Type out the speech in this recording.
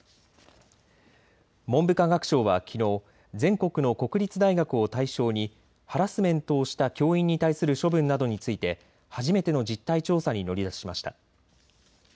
文部科学省はきのう全国の国立大学を対象にハラスメントをした教員に対する処分などについて初めての実態調査に乗り出しました。